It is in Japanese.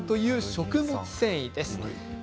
食物繊維です。